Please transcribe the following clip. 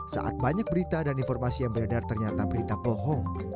saat banyak berita dan informasi yang beredar ternyata berita bohong